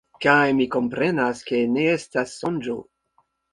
Kaj mi komprenas, ke ne estas sonĝo.